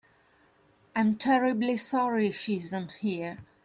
I'm terribly sorry she isn't here.